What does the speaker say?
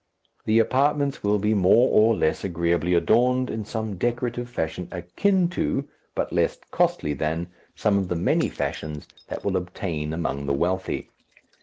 The apartments will be more or less agreeably adorned in some decorative fashion akin to but less costly than some of the many fashions that will obtain among the wealthy.